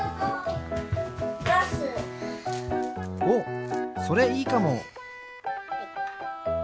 おっそれいいかも。